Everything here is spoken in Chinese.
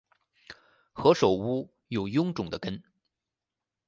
何首乌有臃肿的根